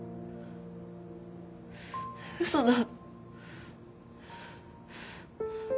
嘘だ。